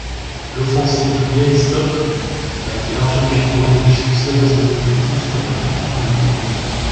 L'offensive Bialystock a été largement couronnée de succès dans ses objectifs tactiques immédiats.